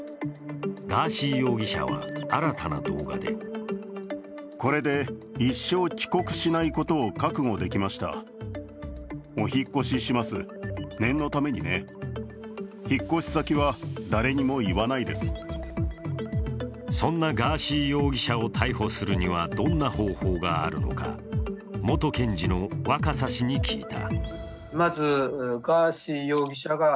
ガーシー容疑者は、新たな動画でそんなガーシー容疑者を逮捕するにはどんな方法があるのか、元検事の若狭氏に聞いた。